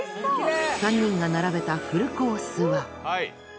３人が並べたフルコースは。